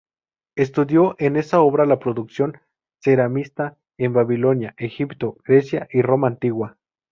Estudió en esa obra la producción ceramista en Babilonia, Egipto, Grecia y Roma antigua.